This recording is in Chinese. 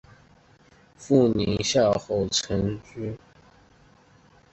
父宁阳侯陈懋。